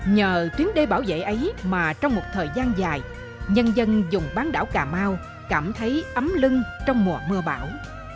nhờ tuyến đê bảo vệ ấy mà trong một thời gian dài nhân dân dùng bán đảo cà mau cảm thấy ấm lưng trong mùa mưa bão